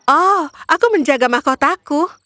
oh aku menjaga mahkotaku